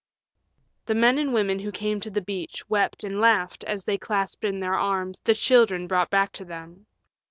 The men and women who came to the beach wept and laughed as they clasped in their arms the children brought back to them.